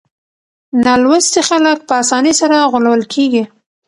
نالوستي خلک په اسانۍ سره غولول کېږي.